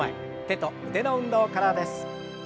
手と腕の運動からです。